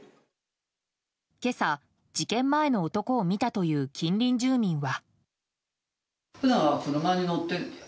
今朝、事件前の男を見たという近隣住民は。